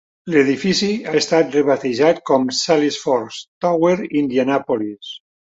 L'edifici ha estat rebatejat com Salesforce Tower Indianapolis.